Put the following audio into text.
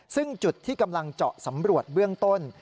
ซึ่งจุดที่กำลังเจาะสำรวจเบื้องต้น